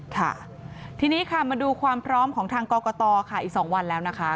ค่ะทีนี้ค่ะมาดูความพร้อมของทางกรกตค่ะอีก๒วันแล้วนะคะ